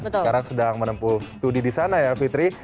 sekarang sedang menempuh studi di sana ya fitri